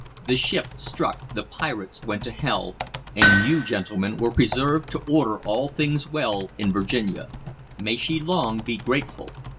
The ship struck: the pirates went to hell, and you, gentlemen, were preserved to order all things well in Virginia. May she long be grateful!